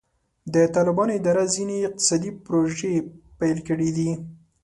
د طالبانو اداره ځینې اقتصادي پروژې پیل کړي دي.